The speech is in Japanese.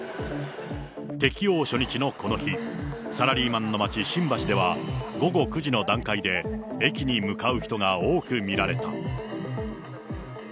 適用初日のこの日、サラリーマンの街、新橋では、午後９時の段階で、駅に向かう人が多く見られた。